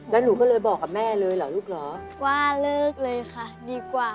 แล้วหนูก็เลยบอกกับแม่เลยเหรอลูกเหรอว่าเลิกเลยค่ะดีกว่า